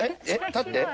立って？